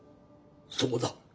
そうだ。